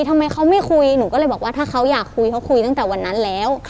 ทำไมเขาไม่คุยหนูก็เลยบอกว่าถ้าเขาอยากคุยเขาคุยตั้งแต่วันนั้นแล้ว